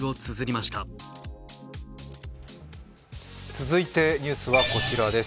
続いて、ニュースはこちらです。